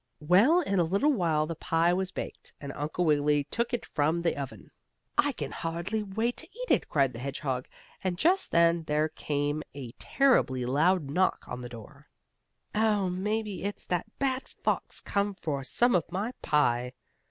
Well, in a little while, the pie was baked, and Uncle Wiggily took it from the oven. "I can hardly wait to eat it!" cried the hedgehog, and just then there came a terribly loud knock on the door. "Oh, maybe it's that bad fox come for some of my pie!"